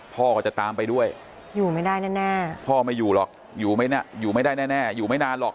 พ่อก็จะตามไปด้วยอยู่ไม่ได้แน่พ่อไม่อยู่หรอกอยู่ไม่ได้แน่อยู่ไม่นานหรอก